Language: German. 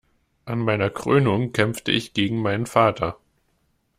An meiner Krönung kämpfte ich gegen meinen Vater.